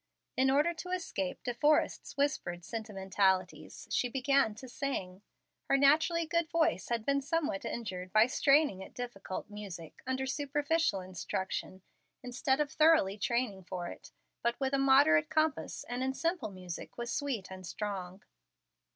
In order to escape De Forrest's whispered sentimentalities, she began to sing. Her naturally good voice had been somewhat injured by straining at difficult music, under superficial instruction, instead of thorough training for it, but within a moderate compass, and in simple music, was sweet and strong.